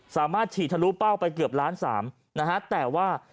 สามารถฉีดทะลุเป้าไปเกือบล้านสามนะฮะแต่ว่า